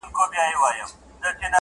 • د ستن او تار خبري ډيري شې دي؛